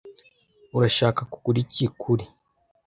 Urashaka kugura iki kuri ?